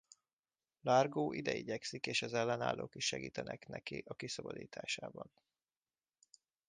Largo ide igyekszik és az ellenállók is segítenek neki a kiszabadításában.